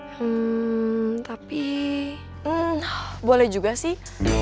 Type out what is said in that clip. hmm tapi boleh juga sih